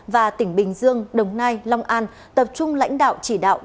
và tỉnh bình dương đồng nai long an tập trung lãnh đạo chỉ đạo